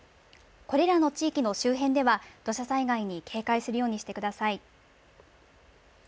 これらの地域の周辺では、土砂災害に警戒するようにしてください。